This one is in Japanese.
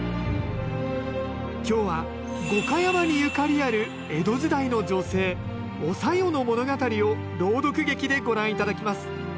今日は五箇山にゆかりある江戸時代の女性お小夜の物語を朗読劇でご覧頂きます。